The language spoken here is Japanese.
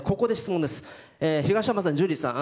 東山さん、ジュリーさん